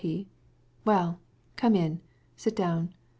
he said. "Well, come in; sit down.